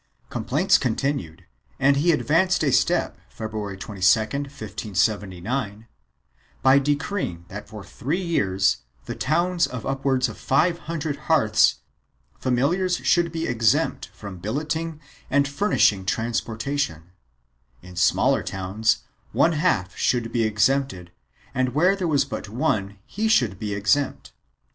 Complaints continued and he advanced a step, February 22, 1579, by decreeing that for three years, in towns of upwards of five hundred hearths, familiars should be exempt from billeting and furnishing transportation; in smaller towns, one half should be exempted and where there was but one he should be exempt.